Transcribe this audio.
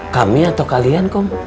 kami atau kalian kum